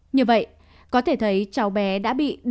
như vậy có thể thấy cháu bé đã bị đinh găm vào đầu